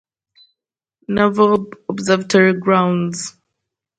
Naval Observatory grounds.